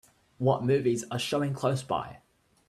What movies are showing close by